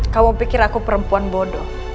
kamu pikir aku perempuan bodoh